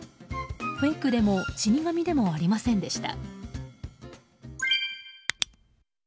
フェイクでも死に神でもありませんでした。